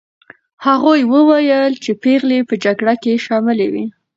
هغوی وویل چې پېغلې په جګړه کې شاملي وې.